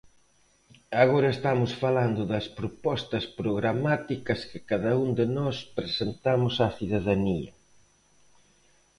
Agora estamos falando das propostas programáticas que cada un de nós presentamos á cidadanía.